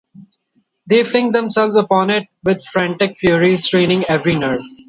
They fling themselves upon it with frantic fury, straining every nerve.